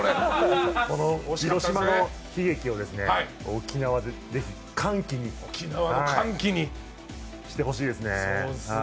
この悲劇を沖縄でぜひ歓喜にしてほしいですね。